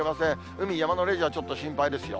海、山のレジャー、ちょっと心配ですよ。